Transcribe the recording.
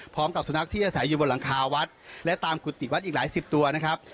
สุนัขที่อาศัยอยู่บนหลังคาวัดและตามกุฏิวัดอีกหลายสิบตัวนะครับ